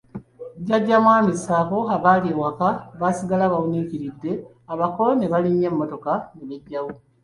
Jjajja mwami ssaako abaali ewaka baasigala bawuniikiridde abako ne balinnya mmotoka ne beggyawo.